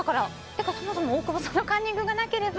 そもそも、大久保さんのカンニングがなければ。